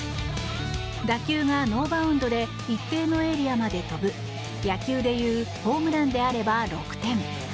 打球がノーバウンドで一定のエリアまで飛ぶ野球でいうホームランであれば６点。